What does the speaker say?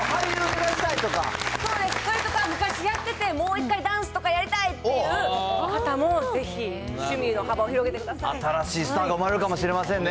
そうです、それとか、昔やっててもう一回ダンスとかやりたいっていう方もぜひ、趣味の新しいスターが生まれるかもしれませんね。